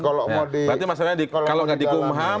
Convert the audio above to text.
kalau tidak di kum ham